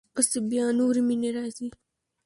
پسې بیا نورې مینې راځي.